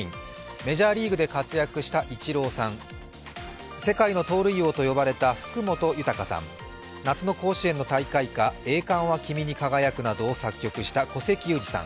メジャーリーグで活躍したイチローさん、世界の盗塁王と呼ばれた福本豊さん、夏の甲子園の大会歌「栄冠は君に輝く」などを作曲した、古関裕而さん。